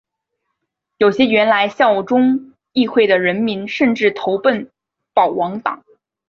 有些原来效忠议会的人民甚至投奔保王党。